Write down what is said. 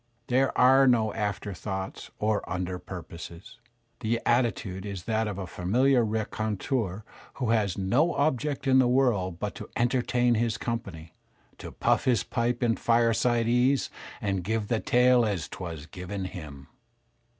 There are no after thoughts or under purposes. The attitude is that of a familiar raconteur who has no object in the world but to entertain his company, to puff his pipe in fireside ease and give the tale as 'twas given him.